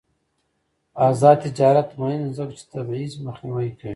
آزاد تجارت مهم دی ځکه چې تبعیض مخنیوی کوي.